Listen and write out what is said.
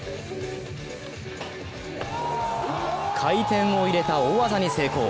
回転を入れた大技に成功。